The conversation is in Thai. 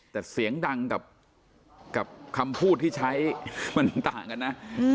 แต่เสียงดังกับคำพูดที่ใช้มันต่างกันนะ